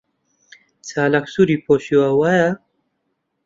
چالاک سووری پۆشیوە، وایە؟